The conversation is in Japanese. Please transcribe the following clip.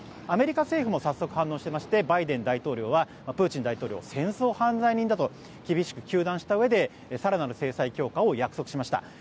アメリカ政府も早速反応していましてバイデン大統領はプーチン大統領を戦争犯罪人だと厳しく糾弾したうえで更なる制裁強化を約束しました。